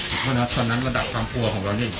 พศกษอนักษณะระดับความกลัวของเรานี่